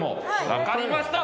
分かりました。